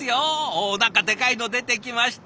おお何かでかいの出てきました！